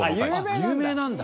有名なんだ。